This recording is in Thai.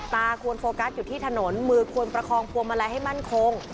ควรโฟกัสอยู่ที่ถนนมือควรประคองพวงมาลัยให้มั่นคง